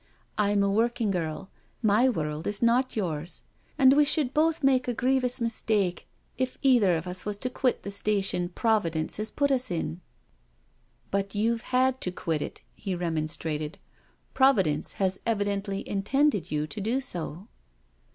I'm a working girl— my world is not yoursi and we should both make a grievous mistake if either of us was to quit the station Providence has put us in." " But you've had to quit it," he remonstrated. " Providence has evidently intended you to do so."